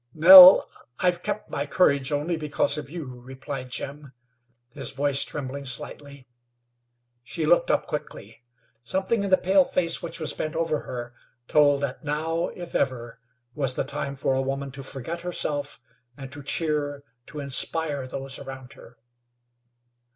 "Nell, I've kept my courage only because of you," replied Jim, his voice trembling slightly. She looked up quickly. Something in the pale face which was bent over her told that now, if ever, was the time for a woman to forget herself, and to cheer, to inspire those around her.